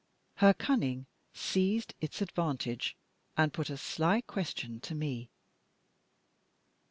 Her cunning seized its advantage and put a sly question to me.